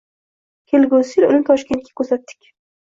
Kelgusii yili uni Toshkentga kuzatdik